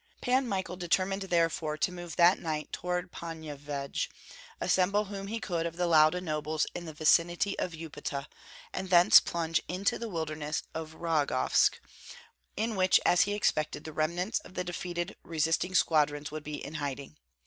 Pan Michael determined therefore to move that night toward Ponyevyej, assemble whom he could of the Lauda nobles in the vicinity of Upita, and thence plunge into the wilderness of Rogovsk, in which, as he expected, the remnants of the defeated resisting squadrons would be in hiding.